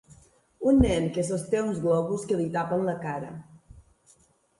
Un nen que sosté uns globus que li tapen la cara